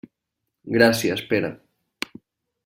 Gràcies, Pere.